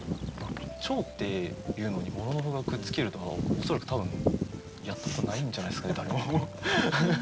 「蝶」っていうのに「もののふ」がくっつけるとか恐らく多分やったことないんじゃないですかね誰も。